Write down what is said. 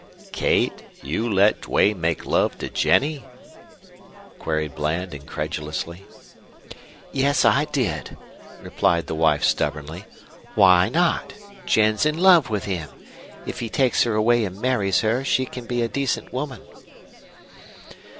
"Kate, you let Duane make love to Jennie?" queried Bland, incredulously. "Yes, I did," replied the wife, stubbornly. "Why not? Jen's in love with him. If he takes her away and marries her she can be a decent woman."